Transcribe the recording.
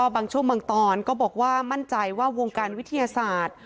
บางช่วงบางตอนก็บอกว่ามั่นใจว่าวงการวิทยาศาสตร์